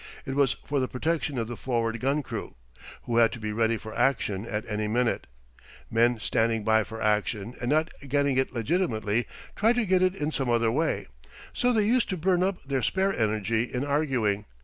It was for the protection of the forward gun crew, who had to be ready for action at any minute. Men standing by for action and not getting it legitimately, try to get it in some other way. So they used to burn up their spare energy in arguing.